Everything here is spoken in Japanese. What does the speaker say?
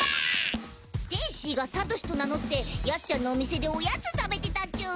ステイシーがサトシと名乗ってヤッちゃんのお店でおやつ食べてたチュン。